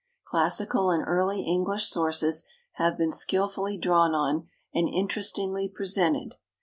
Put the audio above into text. Classical and early English sources have been skilfully drawn on and interestingly presented.